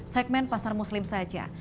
segmen pasar muslim saja